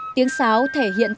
tiếng sáo thể hiện ra